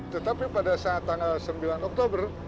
tetapi pada saat tanggal sembilan oktober